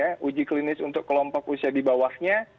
jadi kalau ada uji klinis untuk kelompok usia di bawahnya